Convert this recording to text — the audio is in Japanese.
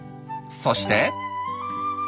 そして。